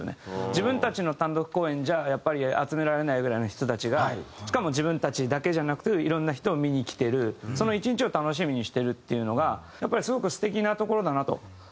自分たちの単独公演じゃやっぱり集められないぐらいの人たちがしかも自分たちだけじゃなくていろんな人を見に来てるその一日を楽しみにしてるっていうのがやっぱりすごく素敵なところだなと。